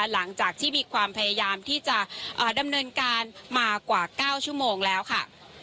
หลังจากที่มีความพยายามที่จะดำเนินการมากว่า๙ชั่วโมงแล้วค่ะ